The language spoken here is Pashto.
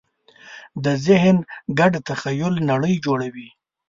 د ذهن ګډ تخیل نړۍ جوړوي.